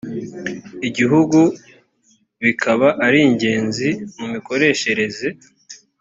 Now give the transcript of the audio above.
igihugu bikaba ari ingenzi mu mikoreshereze